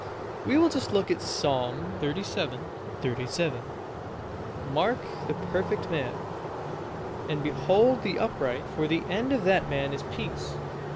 We will just look at Psalm xxxvii. 37: "Mark the perfect man, and behold the upright: for the end of that man is peace."